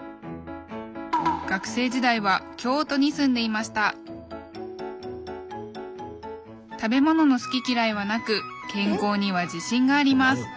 学生時代は京都に住んでいました食べ物の好き嫌いはなく健康には自信があります！